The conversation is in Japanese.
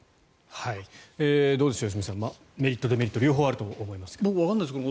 どうでしょう、良純さんメリット、デメリット両方あると思いますが。